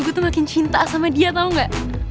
gue tuh makin cinta sama dia tau gak